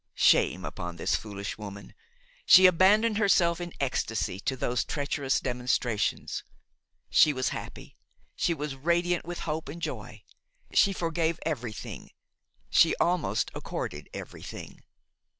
Shame upon this foolish woman! She abandoned herself in ecstasy to those treacherous demonstrations; she was happy, she was radiant with hope and joy; she forgave everything, she almost accorded everything.